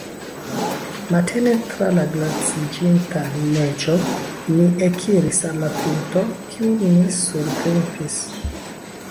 Matene tra la glaciiĝinta neĝo ni ekiris al la pinto, kiun ni surgrimpis.